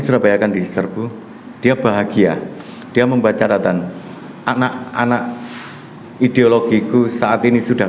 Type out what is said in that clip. surabaya akan diserbu dia bahagia dia membaca data anak anak ideologiku saat ini sudah